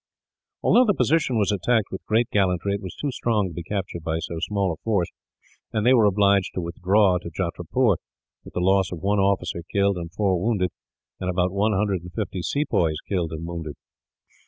Although the position was attacked with great gallantry, it was too strong to be captured by so small a force; and they were obliged to withdraw to Jatrapur, with the loss of one officer killed and four wounded, and about one hundred and fifty sepoys killed and wounded.